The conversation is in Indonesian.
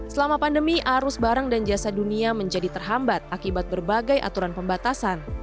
selama pandemi arus barang dan jasa dunia menjadi terhambat akibat berbagai aturan pembatasan